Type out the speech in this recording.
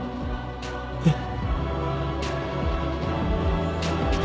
えっ？